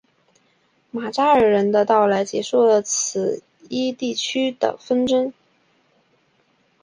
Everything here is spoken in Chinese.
马扎尔人的到来结束了此一地区的纷争。